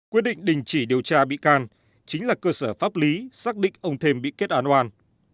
quyết định đình chỉ điều tra bị can chính là cơ sở pháp lý xác định ông thêm bị kết án oan